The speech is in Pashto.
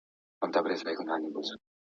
ستا په دې زاړه درمل به کله په زړه ښاد سمه !.